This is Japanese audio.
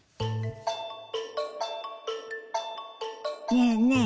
ねえねえ